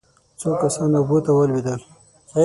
څو کسان اوبو ته ولوېدل.